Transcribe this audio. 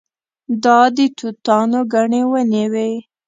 دا د توتانو ګڼې ونې وې.